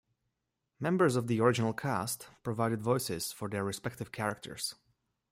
Members of the original cast provided voices for their respective characters.